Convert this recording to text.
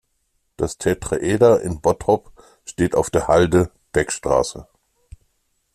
Das Tetraeder in Bottrop steht auf der Halde Beckstraße.